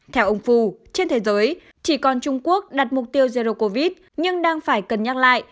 theo ông fu trên thế giới chỉ còn trung quốc đặt mục tiêu zero covid nhưng đang phải cân nhắc lại